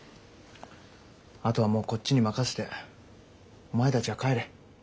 あとはもうこっちに任せてお前たちは帰れ。